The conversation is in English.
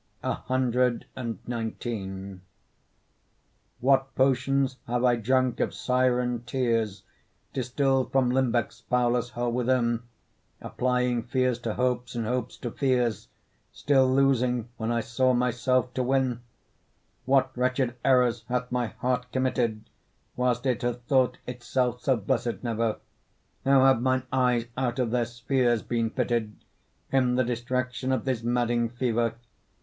CXIX What potions have I drunk of Siren tears, Distill'd from limbecks foul as hell within, Applying fears to hopes, and hopes to fears, Still losing when I saw myself to win! What wretched errors hath my heart committed, Whilst it hath thought itself so blessed never! How have mine eyes out of their spheres been fitted, In the distraction of this madding fever!